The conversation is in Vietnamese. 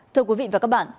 thưa quý vị và các bạn